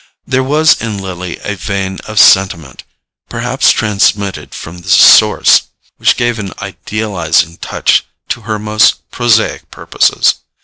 There was in Lily a vein of sentiment, perhaps transmitted from this source, which gave an idealizing touch to her most prosaic purposes.